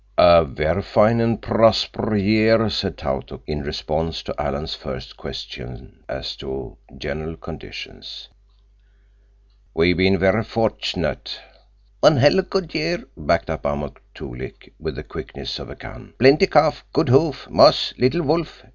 "A ver' fine and prosper' year," said Tautuk in response to Alan's first question as to general conditions. "We bean ver' fortunate." "One hell good year," backed up Amuk Toolik with the quickness of a gun. "Plenty calf. Good hoof. Moss. Little wolf.